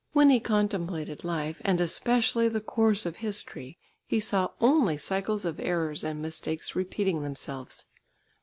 When he contemplated life and especially the course of history he saw only cycles of errors and mistakes repeating themselves.